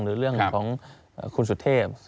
หรือเรื่องของคุณสุเทพ